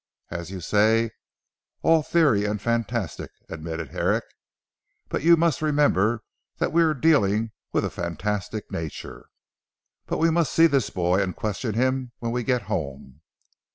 "As you say all theory and fantastic," admitted Herrick, "but you must remember that we are dealing with a fantastic nature. But we must see this boy and question him when we get home."